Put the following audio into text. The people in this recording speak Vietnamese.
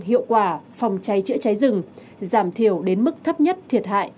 hiệu quả phòng cháy chữa cháy rừng giảm thiểu đến mức thấp nhất thiệt hại